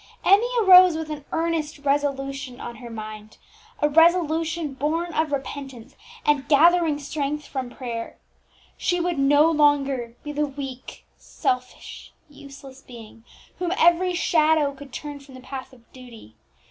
Emmie arose with an earnest resolution on her mind a resolution born of repentance, and gathering strength from prayer. She would no longer be the weak, selfish, useless being, whom every shadow could turn from the path of duty.